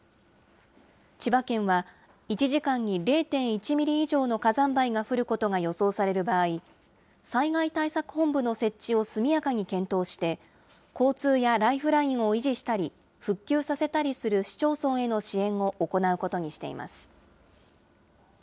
千葉県は１時間に０．１ミリ以上の火山灰が降ることが予想される場合、災害対策本部の設置を速やかに検討して、交通やライフラインを維持したり、復旧させたりする市町村への支援を行うことにしています。